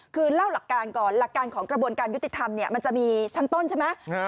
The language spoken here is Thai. คือเล่าหลักการก่อนหลักการของกระบวนการยุติธรรมเนี่ยมันจะมีชั้นต้นใช่ไหม